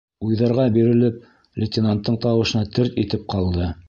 Уйҙарға бирелеп, лейтенанттың тауышына терт итеп ҡалды.